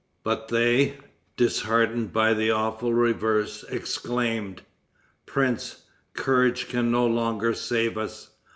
But they, disheartened by the awful reverse, exclaimed: "Prince, courage can no longer save us.